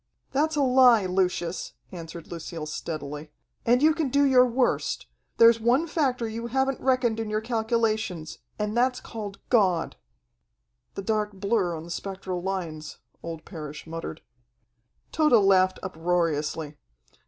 "That's a lie, Lucius," answered Lucille steadily. "And you can do your worst. There's one factor you haven't reckoned in your calculations, and that's called God." "The dark blur on the spectral lines," old Parrish muttered. Tode laughed uproariously.